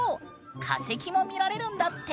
化石も見られるんだって！